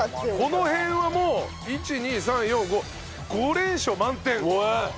この辺はもう１２３４５５連勝満点。